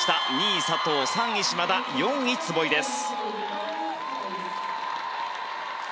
２位、佐藤３位、島田、４位に壷井です。